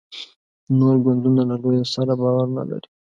نور ګوندونه له لویه سره باور نه لري.